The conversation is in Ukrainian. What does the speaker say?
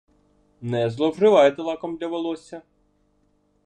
Не зловживайте лаком для волосся.